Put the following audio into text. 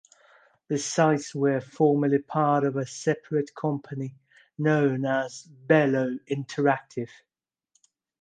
The sites were formerly part of a separate company, known as Belo Interactive.